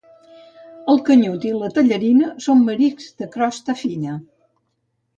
El canyut i la tellerina són mariscs de crosta fina.